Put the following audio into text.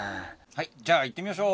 じゃあいってみましょう！